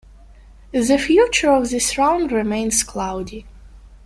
The future of this round remains cloudy.